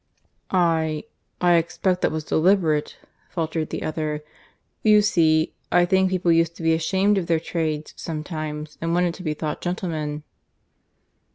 "I ... I expect that was deliberate," faltered the other. "You see, I think people used to be ashamed of their trades sometimes, and wanted to be thought gentlemen."